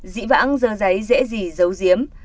dĩ vãng dơ giấy dễ dỉ dấu diếm